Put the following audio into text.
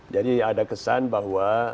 jadi ada kesan bahwa